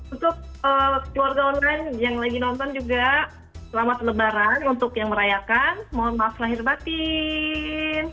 untuk keluarga online yang lagi nonton juga selamat lebaran untuk yang merayakan mohon maaf lahir batin